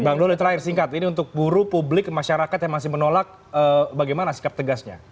bang doli terakhir singkat ini untuk buruh publik masyarakat yang masih menolak bagaimana sikap tegasnya